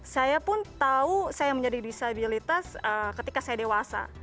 saya pun tahu saya menjadi disabilitas ketika saya dewasa